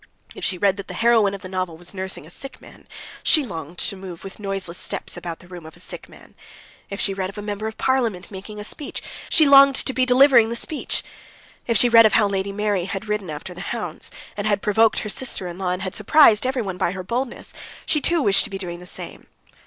If she read that the heroine of the novel was nursing a sick man, she longed to move with noiseless steps about the room of a sick man; if she read of a member of Parliament making a speech, she longed to be delivering the speech; if she read of how Lady Mary had ridden after the hounds, and had provoked her sister in law, and had surprised everyone by her boldness, she too wished to be doing the same.